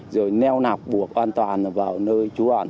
rồi neo nọc buộc an toàn vào nơi chú ẩn